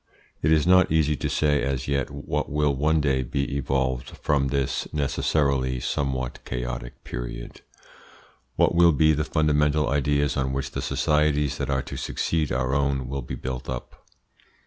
It is not easy to say as yet what will one day be evolved from this necessarily somewhat chaotic period. What will be the fundamental ideas on which the societies that are to succeed our own will be built up?